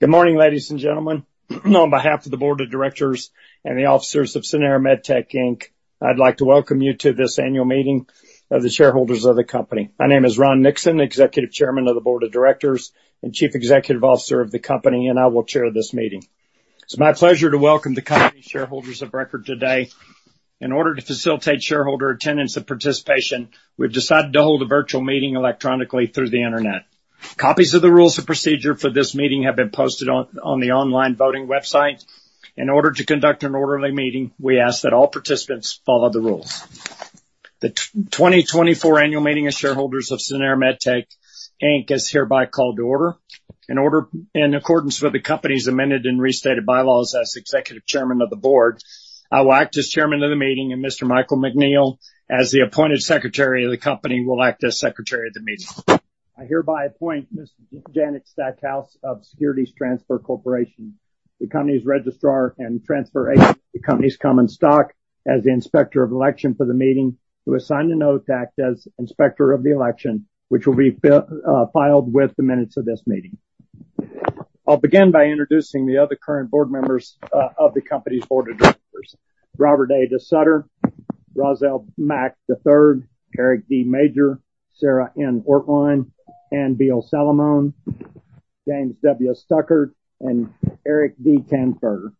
Good morning, ladies and gentlemen. On behalf of the Board of Directors and the officers of Sanara MedTech Inc., I'd like to welcome you to this annual meeting of the shareholders of the company. My name is Ron Nixon, Executive Chairman of the Board of Directors and Chief Executive Officer of the company, and I will chair this meeting. It's my pleasure to welcome the company shareholders of record today. In order to facilitate shareholder attendance and participation, we've decided to hold a virtual meeting electronically through the Internet. Copies of the rules of procedure for this meeting have been posted on the online voting website. In order to conduct an orderly meeting, we ask that all participants follow the rules. The 2024 annual meeting of shareholders of Sanara MedTech Inc. is hereby called to order. In accordance with the company's Amended and Restated Bylaws, as Executive Chairman of the Board, I will act as chairman of the meeting, and Mr. Michael McNeil, as the appointed Secretary of the company, will act as Secretary of the meeting. I hereby appoint Ms. Janet Stackhouse of Securities Transfer Corporation, the company's registrar and transfer agent of the company's common stock, as the Inspector of Election for the meeting, to sign an oath to act as Inspector of Election, which will be filed with the minutes of this meeting. I'll begin by introducing the other current board members of the company's Board of Directors: Robert A. DeSutter, Roszell Mack III, Eric D. Major, Sara N. Ortwein, Ann Beal Salamone, James W. Stuckert, and Eric D. Tanzberger.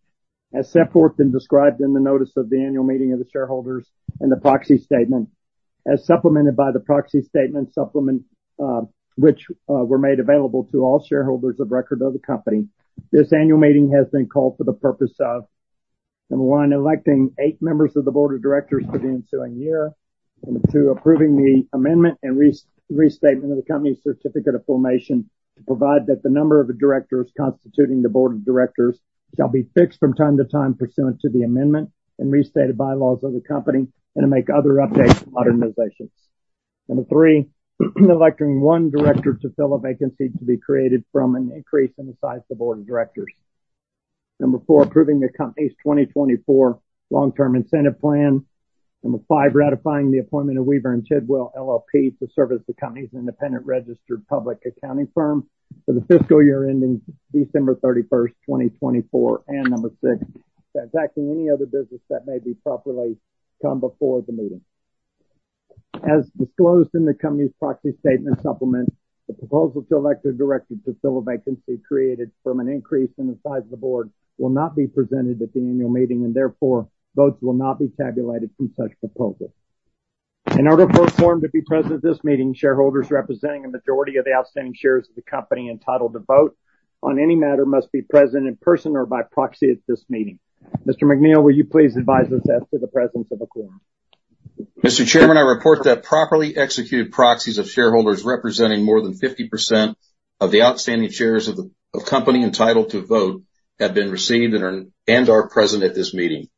As set forth and described in the notice of the annual meeting of the shareholders and the proxy statement, as supplemented by the proxy statement supplement, which were made available to all shareholders of record of the company, this annual meeting has been called for the purpose of: 1, electing 8 members of the board of directors for the ensuing year. 2, approving the amendment and restatement of the company's Certificate of Formation to provide that the number of directors constituting the board of directors shall be fixed from time to time pursuant to the Amended and Restated Bylaws of the company and to make other updates and modernizations. 3, electing 1 director to fill a vacancy to be created from an increase in the size of the board of directors. 4, approving the company's 2024 Long-Term Incentive Plan. 5, ratifying the appointment of Weaver and Tidwell, L.L.P. to serve as the company's independent registered public accounting firm for the fiscal year ending December 31, 2024. 6, transacting any other business that may be properly come before the meeting. As disclosed in the company's proxy statement supplement, the proposal to elect a director to fill a vacancy created from an increase in the size of the board will not be presented at the annual meeting, and therefore, votes will not be tabulated from such proposal. In order for a quorum to be present at this meeting, shareholders representing a majority of the outstanding shares of the company entitled to vote on any matter must be present in person or by proxy at this meeting. Mr. McNeil, will you please advise us as to the presence of a quorum? Mr. Chairman, I report that properly executed proxies of shareholders representing more than 50% of the outstanding shares of the company entitled to vote have been received and are present at this meeting.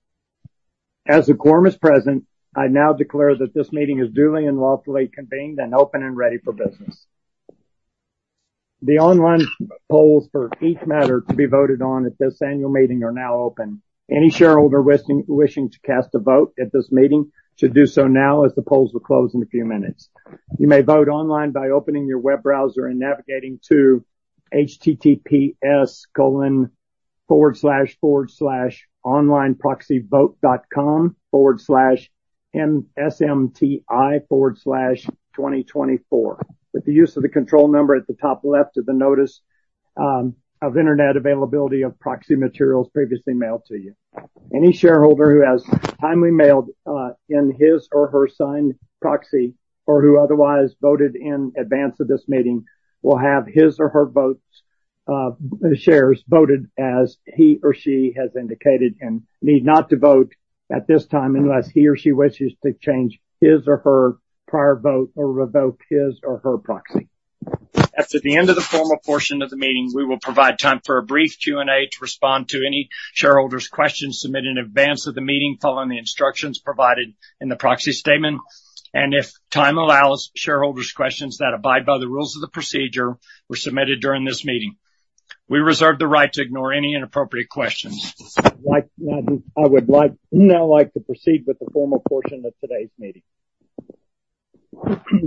As the quorum is present, I now declare that this meeting is duly and lawfully convened and open and ready for business. The online polls for each matter to be voted on at this annual meeting are now open. Any shareholder wishing to cast a vote at this meeting should do so now, as the polls will close in a few minutes. You may vote online by opening your web browser and navigating to https://onlineproxyvote.com/msmti/2024. With the use of the control number at the top left of the notice of internet availability of proxy materials previously mailed to you. Any shareholder who has timely mailed in his or her signed proxy, or who otherwise voted in advance of this meeting, will have his or her votes shares voted as he or she has indicated and need not to vote at this time unless he or she wishes to change his or her prior vote or revoke his or her proxy. After the end of the formal portion of the meeting, we will provide time for a brief Q&A to respond to any shareholder's questions submitted in advance of the meeting, following the instructions provided in the proxy statement, and if time allows, shareholders' questions that abide by the rules of the procedure were submitted during this meeting. We reserve the right to ignore any inappropriate questions. Like, I would like, now like to proceed with the formal portion of today's meeting.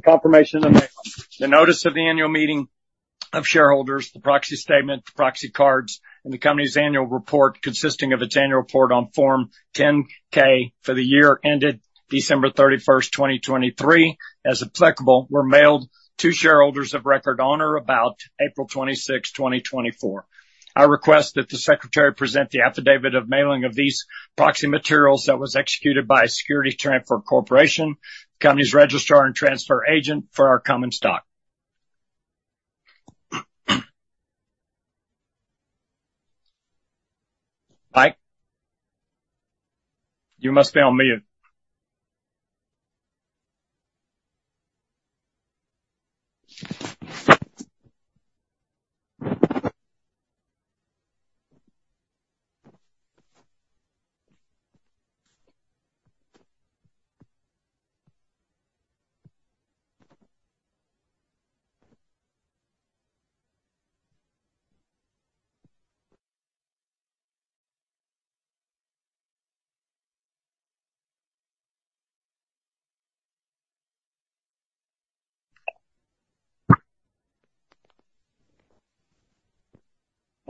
Confirmation of mailing. The notice of the annual meeting of shareholders, the proxy statement, the proxy cards, and the company's annual report, consisting of its Annual Report on Form 10-K for the year ended December 31, 2023, as applicable, were mailed to shareholders of record on or about April 26, 2024. I request that the secretary present the affidavit of mailing of these proxy materials that was executed by Securities Transfer Corporation, company's registrar and transfer agent for our common stock. Mike? You must be on mute...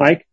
Mike?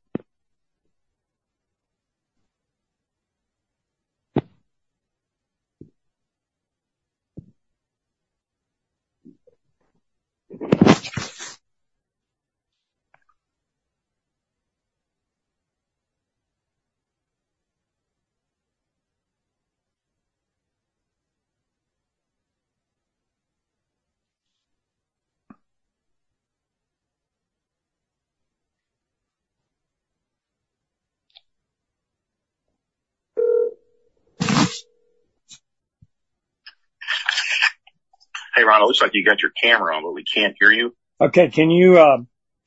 Hey, Ron, it looks like you got your camera on, but we can't hear you. Okay. Can you,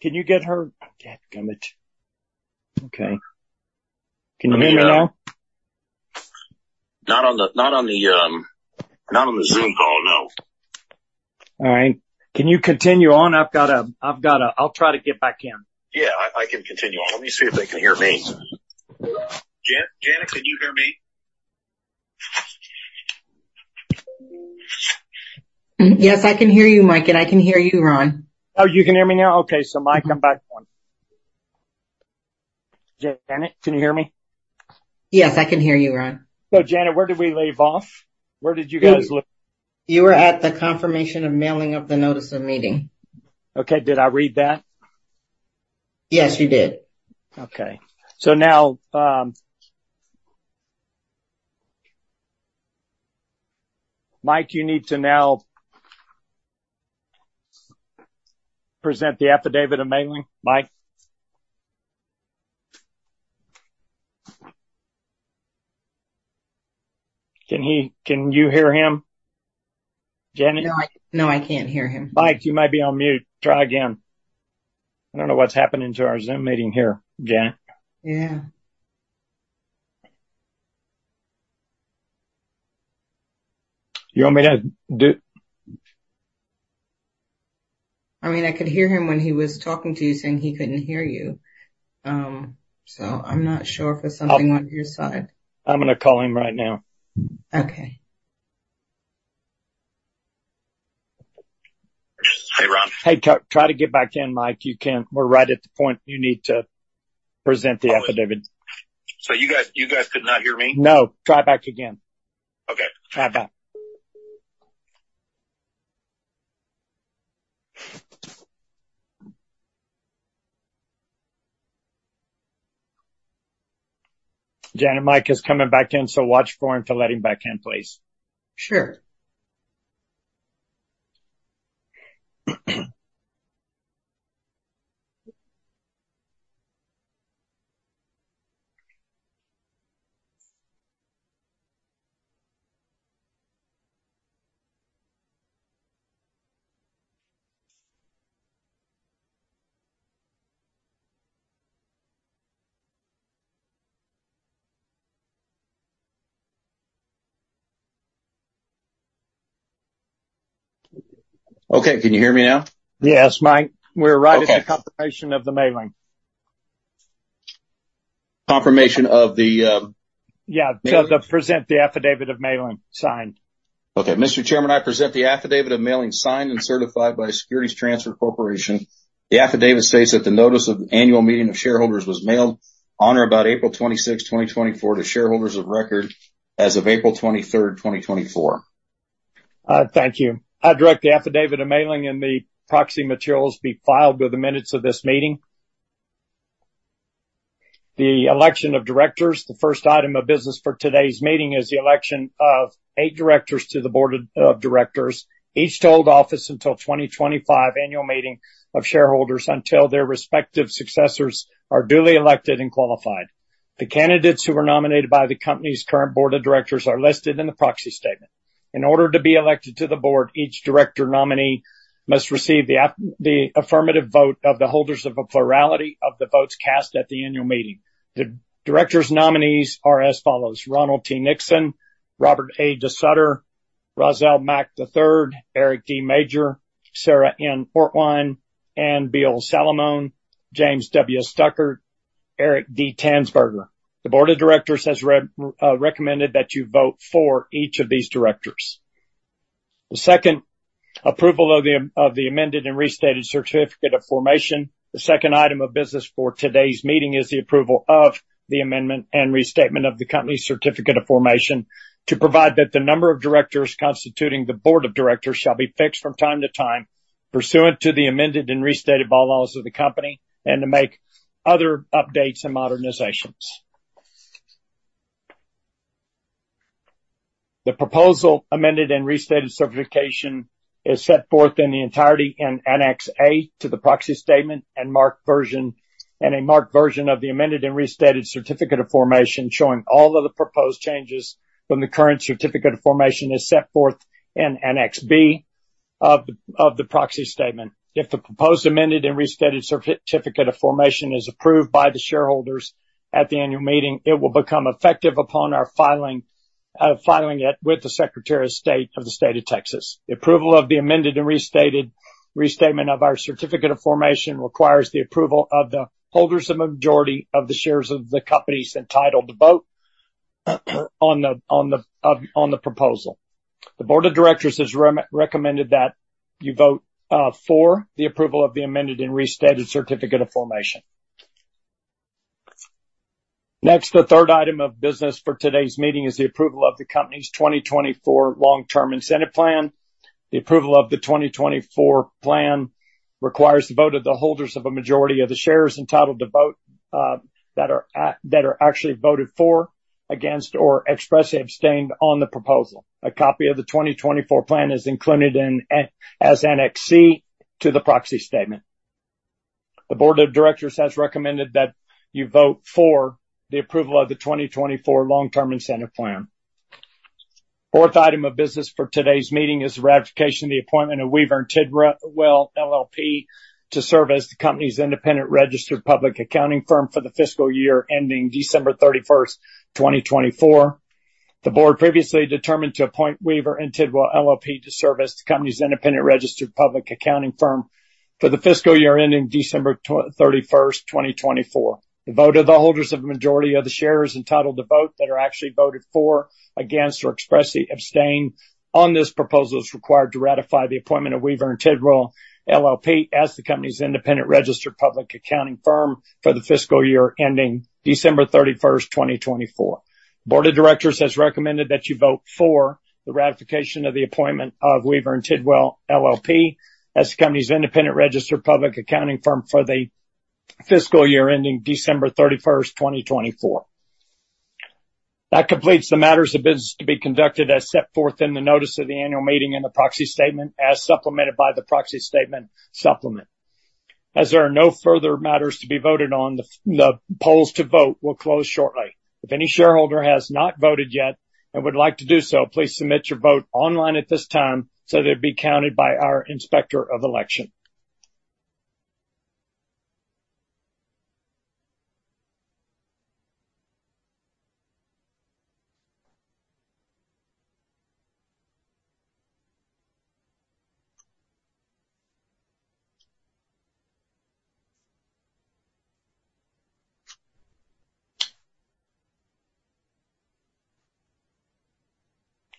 can you get her...? Goddamn it! Okay. Can you hear me now? Not on the Zoom call, no. All right. Can you continue on? I've gotta, I'll try to get back in. Yeah, I, I can continue on. Let me see if they can hear me. Jan- Janet, can you hear me? Yes, I can hear you, Mike, and I can hear you, Ron. Oh, you can hear me now? Okay. Mm-hmm. Mike, I'm back on. Janet, can you hear me? Yes, I can hear you, Ron. So, Janet, where did we leave off? Where did you guys look? You were at the confirmation of mailing of the notice of meeting. Okay. Did I read that? Yes, you did. Okay. So now, Mike, you need to now present the affidavit of mailing. Mike? Can you hear him, Janet? No, no, I can't hear him. Mike, you might be on mute. Try again. I don't know what's happening to our Zoom meeting here, Janet. Yeah. You want me to do...? I mean, I could hear him when he was talking to you, saying he couldn't hear you. So I'm not sure if it's something on your side. I'm gonna call him right now. Okay. Hey, Ron. Hey, try, try to get back in, Mike. You can. We're right at the point you need to present the affidavit. So you guys, you guys could not hear me? No. Try back again. Okay. Try back. Janet, Mike is coming back in, so watch for him to let him back in, please. Sure. Okay. Can you hear me now? Yes, Mike. Okay. We're right at the confirmation of the mailing. Confirmation of the, Yeah, to present the affidavit of mailing, signed. Okay. Mr. Chairman, I present the affidavit of mailing, signed and certified by Securities Transfer Corporation. The affidavit states that the notice of the annual meeting of shareholders was mailed on or about April 26th, 2024 to shareholders of record as of April 23rd, 2024. Thank you. I direct the affidavit of mailing and the proxy materials be filed with the minutes of this meeting. The election of directors, the first item of business for today's meeting, is the election of eight directors to the board of directors, each to hold office until 2025 annual meeting of shareholders, until their respective successors are duly elected and qualified. The candidates who were nominated by the company's current board of directors are listed in the proxy statement. In order to be elected to the board, each director nominee must receive the affirmative vote of the holders of a plurality of the votes cast at the annual meeting. The directors' nominees are as follows: Ronald T. Nixon, Robert A. DeSutter, Roszell Mack III, Eric D. Major, Sara N. Ortwein, Ann Beal Salamone, James W. Stuckert, Eric D. Tanzberger. The board of directors has recommended that you vote for each of these directors. The second item of business for today's meeting is the approval of the amendment and restatement of the company's Certificate of Formation, to provide that the number of directors constituting the board of directors shall be fixed from time to time, pursuant to the Amended and Restated Bylaws of the company, and to make other updates and modernizations. The proposed amended and restated Certificate of Formation is set forth in the entirety in Annex A to the Proxy Statement, and a marked version of the amended and restated Certificate of Formation, showing all of the proposed changes from the current Certificate of Formation, is set forth in Annex B of the Proxy Statement. If the proposed, amended, and restated certificate of formation is approved by the shareholders at the annual meeting, it will become effective upon our filing it with the Secretary of State of the State of Texas. The approval of the amended and restated restatement of our certificate of formation requires the approval of the holders of majority of the shares of the company entitled to vote on the proposal. The board of directors has recommended that you vote for the approval of the amended and restated certificate of formation. Next, the third item of business for today's meeting is the approval of the company's 2024 Long-Term Incentive Plan. The approval of the 2024 plan requires the vote of the holders of a majority of the shares entitled to vote, that are actually voted for, against, or expressly abstained on the proposal. A copy of the 2024 plan is included as Annex C to the proxy statement. The board of directors has recommended that you vote for the approval of the 2024 Long-Term Incentive Plan. Fourth item of business for today's meeting is the ratification of the appointment of Weaver and Tidwell LLP to serve as the company's independent registered public accounting firm for the fiscal year ending December 31, 2024. The board previously determined to appoint Weaver and Tidwell LLP to serve as the company's independent registered public accounting firm for the fiscal year ending December 31, 2024. The vote of the holders of the majority of the shares entitled to vote, that are actually voted for, against, or expressly abstained on this proposal, is required to ratify the appointment of Weaver and Tidwell, L.L.P. as the company's independent registered public accounting firm for the fiscal year ending December 31, 2024. The board of directors has recommended that you vote for the ratification of the appointment of Weaver and Tidwell, L.L.P. as the company's independent registered public accounting firm for the fiscal year ending December 31, 2024. That completes the matters of business to be conducted as set forth in the notice of the annual meeting and the proxy statement, as supplemented by the proxy statement supplement. As there are no further matters to be voted on, the polls to vote will close shortly. If any shareholder has not voted yet and would like to do so, please submit your vote online at this time, so that it'd be counted by our Inspector of Election.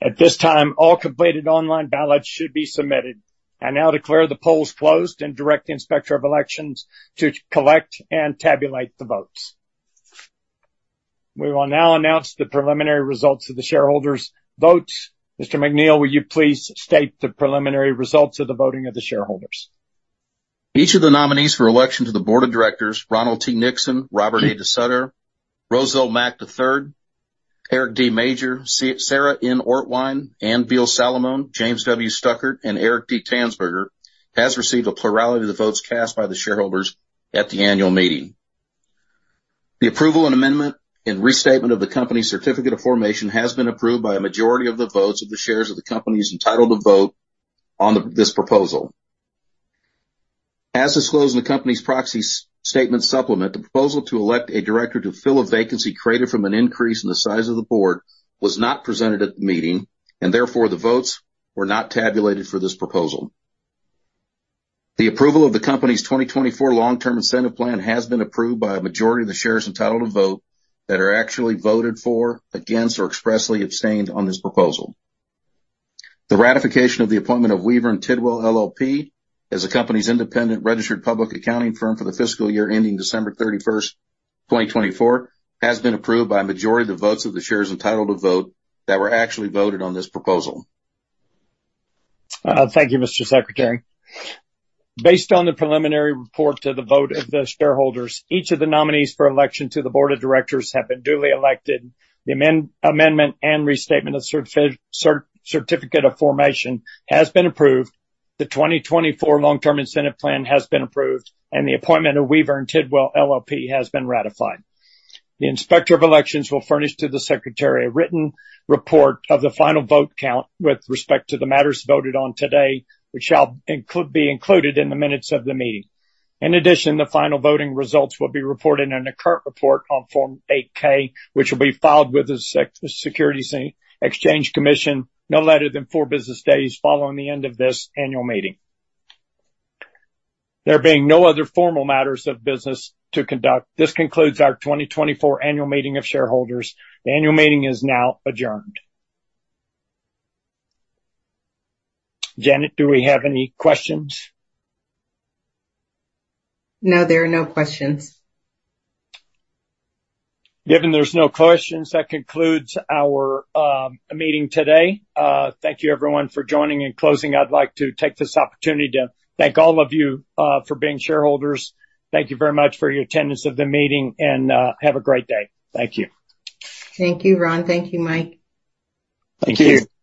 At this time, all completed online ballots should be submitted. I now declare the polls closed, and direct the Inspector of Elections to collect and tabulate the votes. We will now announce the preliminary results of the shareholders' votes. Mr. McNeil, will you please state the preliminary results of the voting of the shareholders? Each of the nominees for election to the board of directors, Ronald T. Nixon, Robert A. DeSutter, Roszell Mack III, Eric D. Major, Sara N. Ortwein, Ann Beal Salamone, James W. Stuckert, and Eric D. Tanzberger, has received a plurality of the votes cast by the shareholders at the annual meeting. The approval and amendment and restatement of the company's certificate of formation has been approved by a majority of the votes of the shares of the company entitled to vote on this proposal. As disclosed in the company's proxy statement supplement, the proposal to elect a director to fill a vacancy created from an increase in the size of the board was not presented at the meeting, and therefore, the votes were not tabulated for this proposal. The approval of the company's 2024 Long-Term Incentive Plan has been approved by a majority of the shares entitled to vote, that are actually voted for, against, or expressly abstained on this proposal. The ratification of the appointment of Weaver and Tidwell, L.L.P. as the company's independent registered public accounting firm for the fiscal year ending December 31, 2024, has been approved by a majority of the votes of the shares entitled to vote, that were actually voted on this proposal. Thank you, Mr. Secretary. Based on the preliminary report to the vote of the shareholders, each of the nominees for election to the board of directors have been duly elected. The amendment and restatement of the certificate of formation has been approved, the 2024 Long-Term Incentive Plan has been approved, and the appointment of Weaver and Tidwell, L.L.P. has been ratified. The inspector of election will furnish to the secretary a written report of the final vote count with respect to the matters voted on today, which shall be included in the minutes of the meeting. In addition, the final voting results will be reported in a current report on Form 8-K, which will be filed with the Securities and Exchange Commission, no later than four business days following the end of this annual meeting. There being no other formal matters of business to conduct, this concludes our 2024 annual meeting of shareholders. The annual meeting is now adjourned. Janet, do we have any questions? No, there are no questions. Given there's no questions, that concludes our meeting today. Thank you, everyone, for joining. In closing, I'd like to take this opportunity to thank all of you for being shareholders. Thank you very much for your attendance of the meeting and have a great day. Thank you. Thank you, Ron. Thank you, Mike. Thank you.